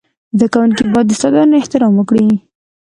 زده کوونکي باید د استادانو احترام وکړي.